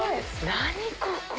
何ここ？